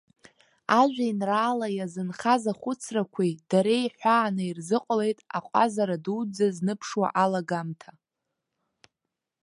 Ажәеинраала иазынхаз ахәыцрақәеи дареи ҳәааны ирзыҟалеит аҟазара дуӡӡа зныԥшуа алагамҭа.